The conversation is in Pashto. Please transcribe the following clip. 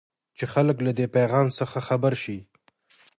چې خلک له دې پيفام څخه خبر شي.